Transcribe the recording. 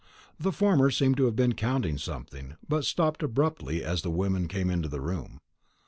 The former seemed to have been counting something, but stopped abruptly as the women came into the room.